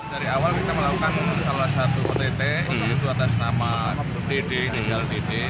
dari awal kita melakukan salah satu ott yaitu atas nama dedel dd